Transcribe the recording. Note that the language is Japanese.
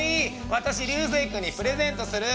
私流星君にプレゼントする！」。